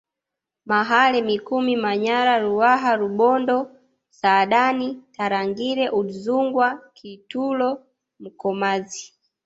Mahale Mikumi Manyara Ruaha Rubondo saadan Tarangire Udzungwa Kitulo Mkomazi